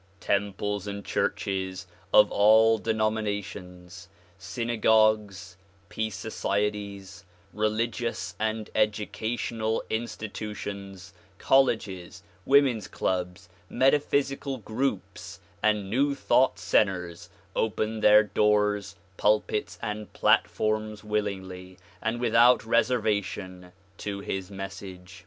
Temples and churches of all denominations, synagogues, peace societies, religious and educational institutions, colleges, women 's clubs, metaphysical groups and new thought centers opened their doors, pulpits and platforms willingly and without reserva tion to his message.